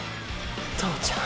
塔ちゃん！！